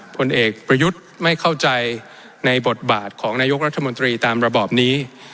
ผลเอกประยุทธ์ไม่เข้าใจในบทบาทของนายกรัฐมนตรีตามระบอบนี้